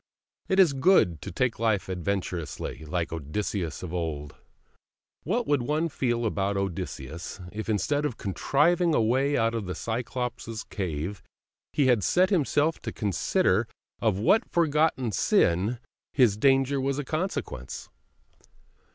It is good to take life adventurously, like Odysseus of old. What would one feel about Odysseus if, instead of contriving a way out of the Cyclops' cave, he had set himself to consider of what forgotten sin his danger was the consequence?